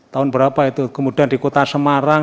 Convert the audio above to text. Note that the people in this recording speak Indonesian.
tahun berapa itu kemudian di kota semarang